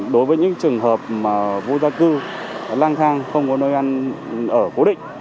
đối với những trường hợp mà vô gia cư lang thang không có nơi ăn ở cố định